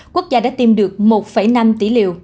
quốc gia đã tiêm được một năm tỷ